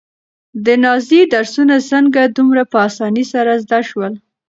د نازيې درسونه څنګه دومره په اسانۍ سره زده شول؟